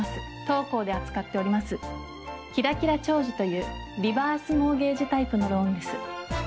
当行で扱っております「キラキラ長寿」というリバースモーゲージタイプのローンです。